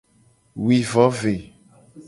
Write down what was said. Wi vo ve.